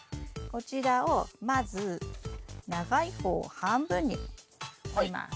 こちらをまず長い方を半分に折ります。